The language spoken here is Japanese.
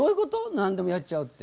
なんでもやっちゃうって。